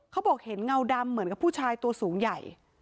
เขาบอกเห็นเงาดำเหมือนกับผู้ชายตัวสูงใหญ่